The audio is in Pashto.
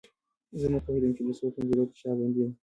زه نه پوهیدم چې د څو پنجرو تر شا بندي یم.